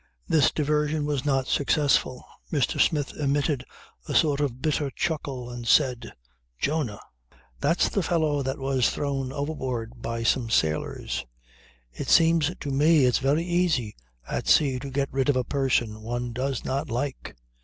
This diversion was not successful. Mr. Smith emitted a sort of bitter chuckle and said: "Jonah! That's the fellow that was thrown overboard by some sailors. It seems to me it's very easy at sea to get rid of a person one does not like.